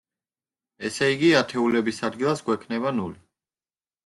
ესე იგი, ათეულების ადგილას გვექნება ნული.